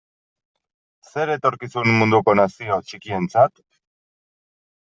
Zer etorkizun munduko nazio txikientzat?